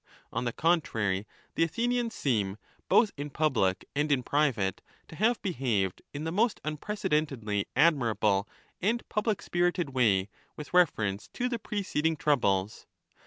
On the contrary, the 3 Athenians seem, both in public and in private, to have behaved in the most unprecedentedly admirable and public spirited way with reference to the preceding troubles.